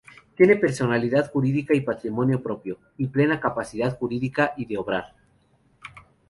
Tiene personalidad jurídica y patrimonio propio, y plena capacidad jurídica y de obrar.